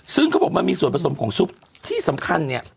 ซึ่งเขาบอกมันมีส่วนผสมของซุปที่สำคัญเนี่ย